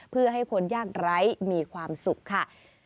เพื่อให้คนยากไร้มีความสุขค่ะ